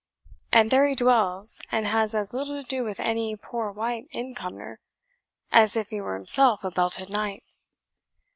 And there he dwells, and has as little to do with any poor wight in Cumnor, as if he were himself a belted knight."